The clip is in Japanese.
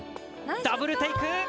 ダブルテーク！